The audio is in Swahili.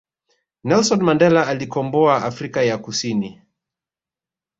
Nelson Mandela aliikomboa afrika ya kusini